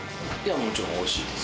もちろんおいしいです。